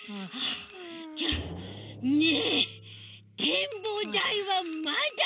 ちょねえてんぼうだいはまだ？